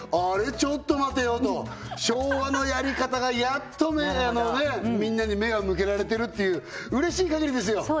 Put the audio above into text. ちょっと待てよと昭和のやり方がやっとみんなに目が向けられてるっていううれしい限りですよ